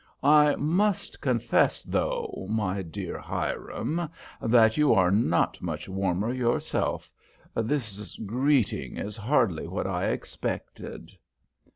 I must confess, though, my dear Hiram, that you are not much warmer yourself this greeting is hardly what I expected."